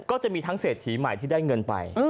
ก็จะมีทั้งเศรษฐีใหม่ที่ได้เงินไป